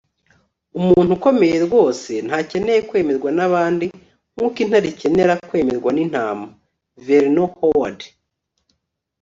umuntu ukomeye rwose ntakeneye kwemerwa nabandi nkuko intare ikenera kwemerwa n'intama. - vernon howard